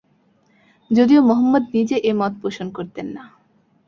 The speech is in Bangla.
যদিও মহম্মদ নিজে এ মত পোষণ করতেন না।